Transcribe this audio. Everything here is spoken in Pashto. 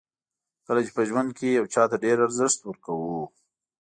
کله چې په ژوند کې یو چاته ډېر ارزښت ورکوو.